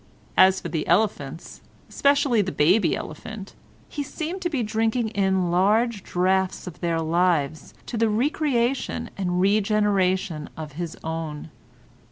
As for the elephants, especially the baby elephant, he seemed to be drinking in large draughts of their lives to the re creation and regeneration of his own.